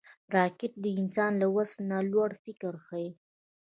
راکټ د انسان له وس نه لوړ فکر ښيي